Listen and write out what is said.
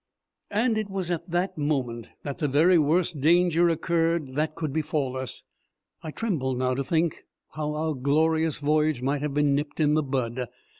And it was at that moment that the very worst danger occurred that could befall us. I tremble now when I think how our glorious voyage might have been nipped in the bud.